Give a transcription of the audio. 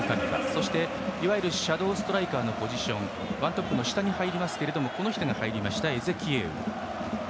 そしていわゆるシャドーストライカーのポジションワントップの下に入りますエゼキエウ。